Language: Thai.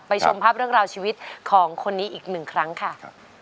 ชมภาพเรื่องราวชีวิตของคนนี้อีกหนึ่งครั้งค่ะ